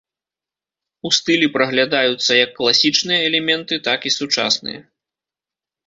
У стылі праглядаюцца як класічныя элементы, так і сучасныя.